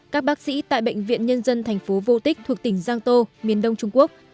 các bác sĩ tại bệnh viện nhân dân thành phố vô tích thuộc tỉnh giang tô miền đông trung quốc